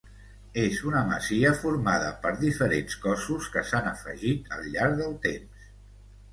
És una masia formada per diferents cossos que s'han afegit al llarg del temps.